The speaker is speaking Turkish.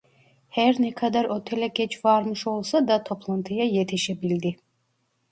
Her ne kadar otele geç varmış olsa da, toplantıya yetişebildi.